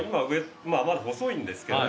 まだ細いんですけどね